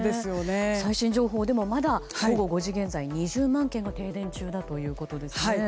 最新情報でもまだ午後５時前には２０万軒が停電中だということですね。